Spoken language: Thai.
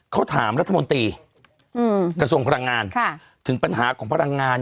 เขาถามรัฐมนตรีกระทรวงพลังงานถึงปัญหาของพลังงาน